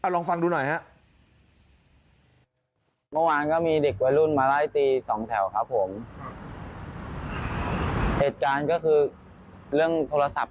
ลองฟังดูหน่อยครับ